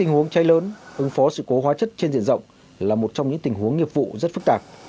tình huống cháy lớn ứng phó sự cố hóa chất trên diện rộng là một trong những tình huống nghiệp vụ rất phức tạp